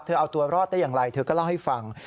เอาตัวรอดได้อย่างไรเธอก็เล่าให้ฟัง